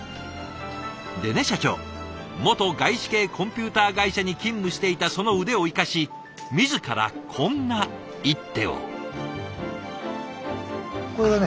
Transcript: でね社長元外資系コンピューター会社に勤務していたその腕を生かし自らこんな一手を。